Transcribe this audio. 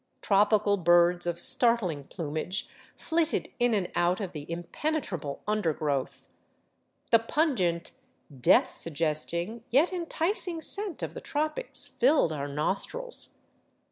Tropical birds of startling plumage flitted in and out of the impene trable undergrowth; the pungent, death suggesting, yet enticing scent of the tropics filled our nostrils.